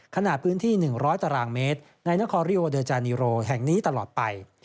ขณะพื้นที่๑๐๐ตารางเมตรในนครริโอเดอร์จานีโรแห่งนี้ตลอดไป